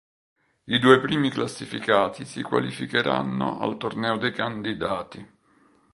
I due primi classificati si qualificheranno al torneo dei candidati.